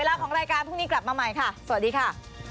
แล้วของรายการพรุ่งนี้กลับมาใหม่ค่ะสวัสดีค่ะ